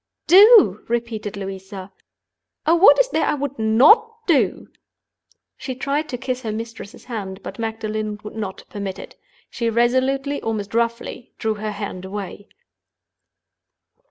"Do?" repeated Louisa. "Oh what is there I would not do!" She tried to kiss her mistress's hand; but Magdalen would not permit it. She resolutely, almost roughly, drew her hand away.